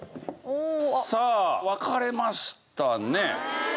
さあ分かれましたね。